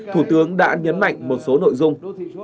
thủ tướng đã nhấn mạnh một số nội dung